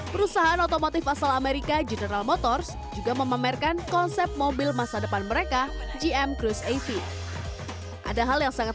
perusahaan otomotif asal amerika general motors juga memamerkan konsep mobil masa depan mereka gm cruise av